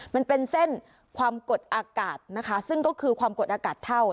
มันเป็นเส้นความกดอากาศนะคะซึ่งก็คือความกดอากาศเท่า